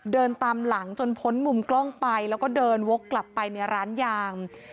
เดินตามหลังจนพ้นมุมกล้องไปแล้วก็เดินวกกลับไปในร้านยาง